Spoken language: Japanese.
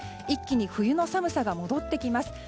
一気に冬の寒さが戻ってきます。